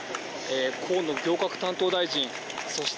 河野行革担当大臣そして、